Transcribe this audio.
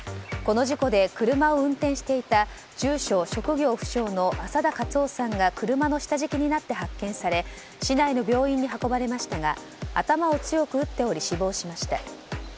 この事故で車を運転していた住所職業不詳の浅田克郎さんが車の下敷きになって発見され市内の病院に運ばれましたが頭を強く打っており死亡しました。